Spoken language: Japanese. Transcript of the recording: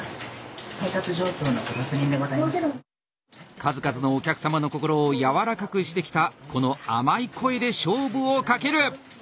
数々のお客様の心をやわらかくしてきたこの甘い声で勝負を懸ける！